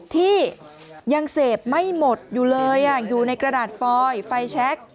ที่ยังเสพไม่หมดอยู่เลยอยู่ในกระดาษฟอยไฟแชค